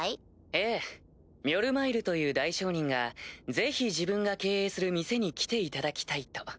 ・ええミョルマイルという大商人がぜひ自分が経営する店に来ていただきたいと。